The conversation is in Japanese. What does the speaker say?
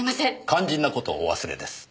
肝心な事をお忘れです。